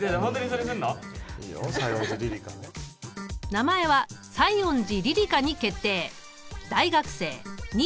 名前は西園寺リリカに決定！